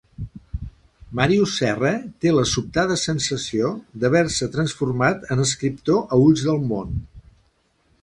Màrius Serra té la sobtada sensació d'haver-se transformat en escriptor a ulls del món.